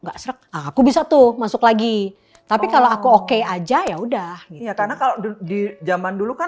gak serek aku bisa tuh masuk lagi tapi kalau aku oke aja ya udah gitu ya karena kalau di zaman dulu kan